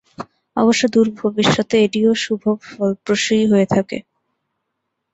অবশ্য দূর ভবিষ্যতে এটিও শুভ ফলপ্রসূই হয়ে থাকে।